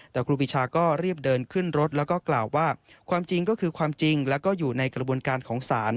แต่ครูปีชาก็รีบเดินขึ้นรถแล้วก็กล่าวว่าความจริงก็คือความจริงแล้วก็อยู่ในกระบวนการของศาล